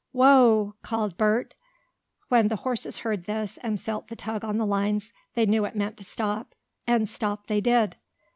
"Whoa!" called Bert. When the horses heard this, and felt the tug on the lines, they knew it meant to stop. And stop they did.